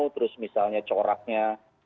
terus misalnya coraknya